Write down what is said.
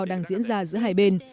đang diễn ra giữa hai bên